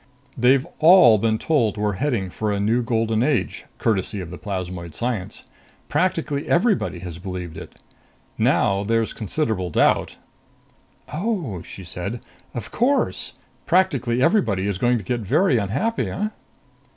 "They've all been told we're heading for a new golden age, courtesy of the plasmoid science. Practically everybody has believed it. Now there's considerable doubt." "Oh," she said. "Of course practically everybody is going to get very unhappy, eh?"